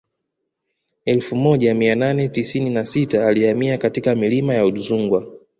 Elfu moja mia nane tisini na sita alihamia katika milima ya Udzungwa